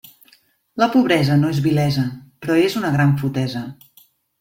La pobresa no és vilesa, però és una gran fotesa.